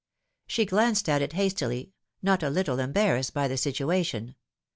She glanced at it hastily, not a little embarrassed by the situation.